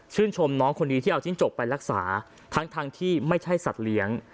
ชมน้องคนนี้ที่เอาจิ้งจกไปรักษาทั้งที่ไม่ใช่สัตว์เลี้ยง